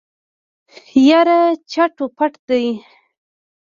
يره چټ و پټ دی.